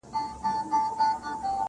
• تر قیامته به پر خړو خاورو پلن یو -